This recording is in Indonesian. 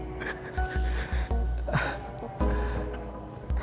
kamu mau beri alih alih